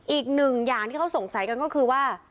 อีกหนึ่งอย่างที่เขาสงสัยกันก็คือว่า